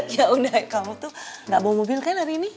ya udah kamu tuh gak bawa mobil kan hari ini